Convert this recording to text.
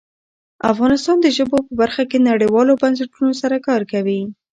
افغانستان د ژبو په برخه کې نړیوالو بنسټونو سره کار کوي.